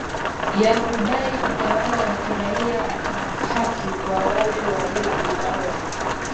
ya kudai utawala wa kiraia na haki kwa wale waliouawa